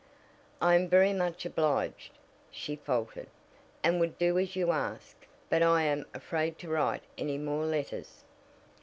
"I am very much obliged," she faltered, "and would do as you ask, but I am afraid to write any more letters."